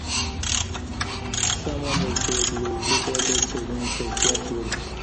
سمه میتودولوژي به د څېړني کیفیت لوړ کړي.